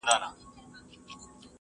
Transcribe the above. دغه کڅوڼه په رښتیا ډېره پخوانۍ ده.